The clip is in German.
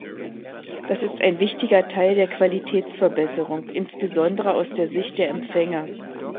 Das ist ein wichtiger Teil der Qualitätsverbesserung, insbesondere aus der Sicht der Empfänger.